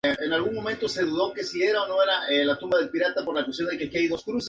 Por ejemplo, un campo escalar con un potencial positivo puede violar esta condición.